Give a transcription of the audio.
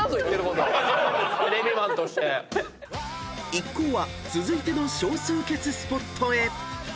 ［一行は続いての少数決スポットへ］